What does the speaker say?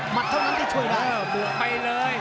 หมัดเท่านั้นที่ช่วยได้